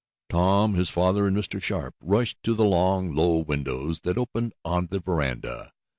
Tom, his father and Mr. Sharp rushed to the long, low windows that opened on the veranda.